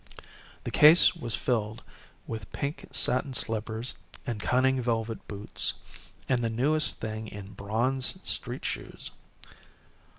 The case was filled with pink satin slippers and cunning velvet boots, and the newest thing in bronze street shoes.